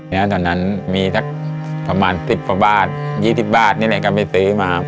แล้วตอนนั้นมีสักประมาณ๑๐กว่าบาท๒๐บาทนี่แหละก็ไม่ซื้อมา